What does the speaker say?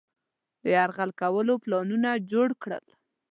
د یرغل کولو پلانونه جوړ کړل.